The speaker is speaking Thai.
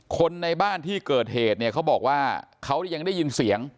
คนในบ้านที่เกิดเหตุเนี่ยเขาบอกว่าเขายังได้ยินเสียง